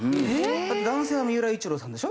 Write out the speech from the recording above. だって男性は三浦雄一郎さんでしょ。